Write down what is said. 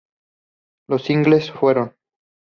Los singles fueron.